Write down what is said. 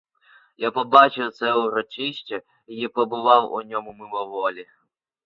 Я побачив це урочище й побував у ньому мимоволі.